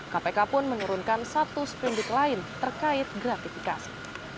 kpk pun menurunkan satu sprendik lain terkait gratifikasi